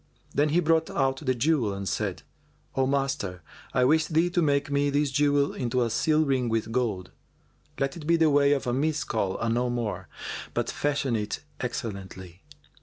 Then he brought out the jewel and said, "O master, I wish thee to make me this jewel into a seal ring with gold. Let it be the weight of a Miskal and no more, but fashion it excellently."